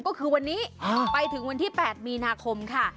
ก็คือวันนี้ไปถึงวันที่๘มีนาคมค่ะ